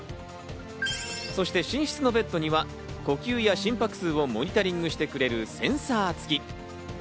そして寝室のベッドには呼吸や心拍数をモニタリングしてくれるセンサー付き。